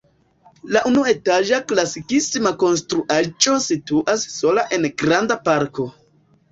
La unuetaĝa klasikisma konstruaĵo situas sola en granda parko.